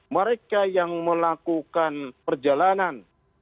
mereka yang melakukan perjalanan